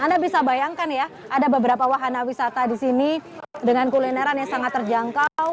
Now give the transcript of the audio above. anda bisa bayangkan ya ada beberapa wahana wisata di sini dengan kulineran yang sangat terjangkau